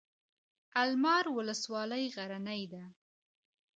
المار ولسوالۍ غرنۍ ده؟